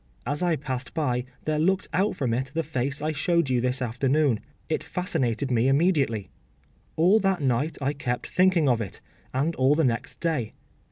As I passed by there looked out from it the face I showed you this afternoon. It fascinated me immediately. All that night I kept thinking of it, and all the next day.